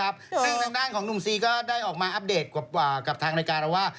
ซึ่งทางด้านของหนุ่มซีก็ได้ออกมาอัปเดตกว่ากับทางรายการเราว่า